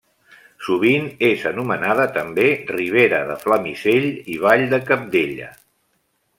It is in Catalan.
Sovint és anomenada també ribera de Flamisell i vall de Cabdella.